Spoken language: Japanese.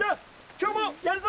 今日もやるぞ！